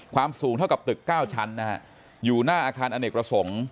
ความสูงเท่ากับตึก๙ชั้นนะฮะอยู่หน้าอาคารอเนกประสงค์